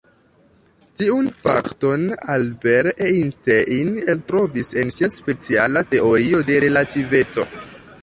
Tiun fakton Albert Einstein eltrovis en sia speciala teorio de relativeco.